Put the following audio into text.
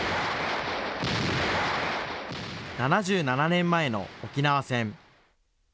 ７７年前の沖縄戦。